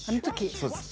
そうです。